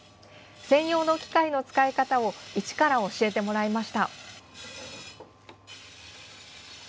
専用の機械の使い方を一から教えてもらいました。